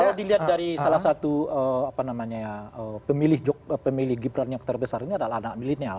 kalau dilihat dari salah satu pemilih gibran yang terbesar ini adalah anak milenial